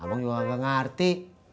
abang juga gak ngerti